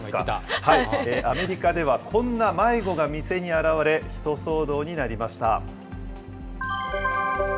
アメリカではこんな迷子が店に現れ、ひと騒動になりました。